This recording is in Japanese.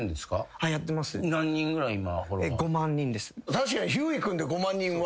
確かにひゅーい君で５万人は。